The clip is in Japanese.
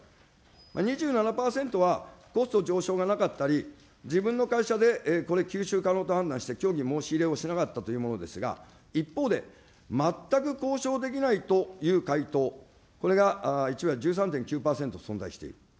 ２７％は、コスト上昇がなかったり、自分の会社でこれ、吸収可能と判断して協議申し入れをしなかったというものですが、一方で、全く交渉できないという回答、これが１割、１３．９％存在している。